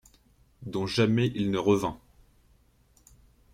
Dont jamais il ne revint.